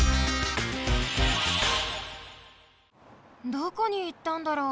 どこにいったんだろう